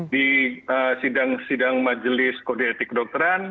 di sidang sidang majelis kode etik dokteran